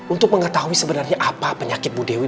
untuk mengetahui sebenarnya apa penyakit bu dewi